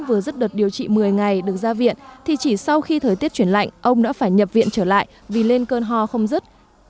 vừa dứt đợt điều trị một mươi ngày được ra viện thì chỉ sau khi thời tiết chuyển lạnh ông đã phải nhập viện trở lại vì lên cơn ho không rứt